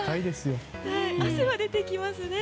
汗は出てきますね。